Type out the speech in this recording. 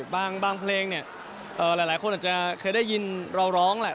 บางเพลงเนี่ยหลายคนอาจจะเคยได้ยินเราร้องแหละ